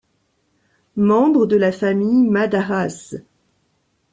Membre de la famille Madarász.